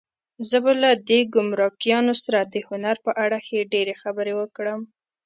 زه به له دې ګمرکیانو سره د هنر په اړه ښې ډېرې خبرې وکړم.